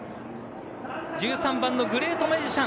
１３番のグレートマジシャン